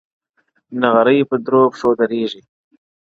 نغرى پر درو پښو درېږي-